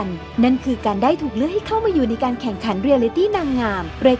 สนุนโดยสถาบันความงามโย